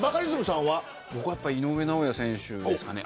井上尚弥選手ですかね。